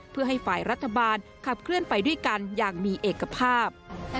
เพื่อให้ฝ่ายรัฐบาลขับเคลื่อนไปด้วยกันอย่างมีเอกภาพ